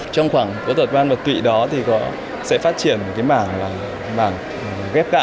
trong khoảng một tuổi đó thì sẽ phát triển một cái mảng ghép gan